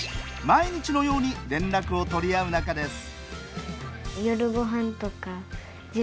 毎日のように連絡を取り合う仲です。